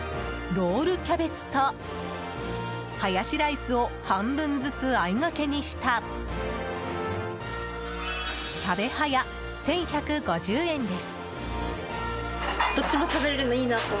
ロールキャベツとハヤシライスを半分ずつあいがけにしたキャベハヤ、１１５０円です。